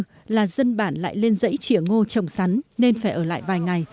từ tháng ba và tháng bốn là dân bản lại lên dãy trìa ngô trồng sắn nên phải ở lại vài ngày